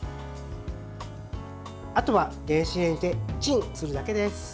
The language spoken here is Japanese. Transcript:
あとは電子レンジでチンするだけです。